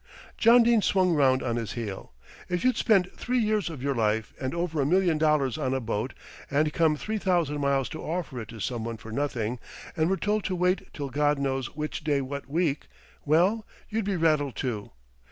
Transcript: John Dene swung round on his heel. "If you'd spent three years of your life and over a million dollars on a boat, and come three thousand miles to offer it to someone for nothing, and were told to wait till God knows which day what week, well, you'd be rattled too.